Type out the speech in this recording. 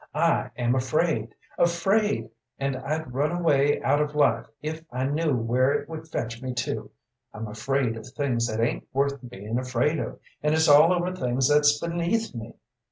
I am afraid, afraid, and I'd run away out of life if I knew where it would fetch me to. I'm afraid of things that ain't worth being afraid of, and it's all over things that's beneath me."